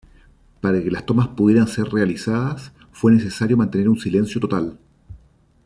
Para que las tomas pudieran ser realizadas, fue necesario mantener un silencio total.